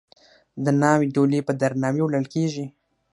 د ناوې ډولۍ په درناوي وړل کیږي.